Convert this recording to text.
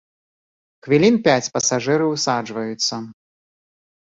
Хвілін пяць пасажыры ўсаджваюцца.